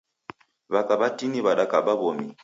W'aka w'atini w'adakaba w'omi.